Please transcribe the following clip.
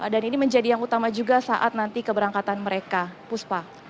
dan ini menjadi yang utama juga saat nanti keberangkatan mereka puspa